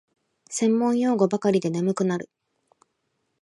専門用語ばかりで眠くなる